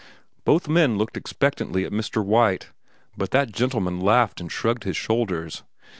Both men looked expectantly at Mr. White, but that gentleman laughed and shrugged his shoulders.